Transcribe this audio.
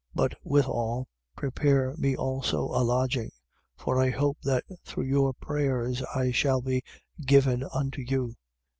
1:22. But withal prepare me also a lodging. For I hope that through your prayers I shall be given unto you.